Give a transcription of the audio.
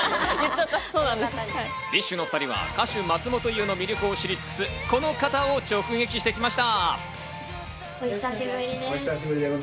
ＢｉＳＨのお２人は歌手・松本伊代の魅力を知り尽くすこの方を直撃してきました。